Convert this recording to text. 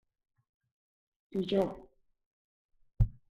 I jo.